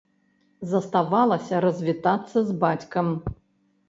Заставалася развітацца з бацькам.